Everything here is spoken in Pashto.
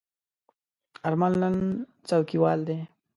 آرمل نن څوکیوال دی.